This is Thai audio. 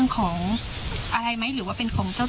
ครบทั่วไปแล้วก็เป็นสากไม้